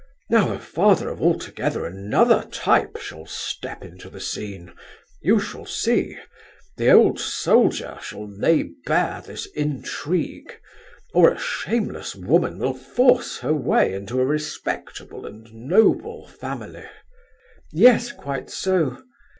Now a father of altogether another type shall step into the scene. You shall see; the old soldier shall lay bare this intrigue, or a shameless woman will force her way into a respectable and noble family." "Yes, quite so.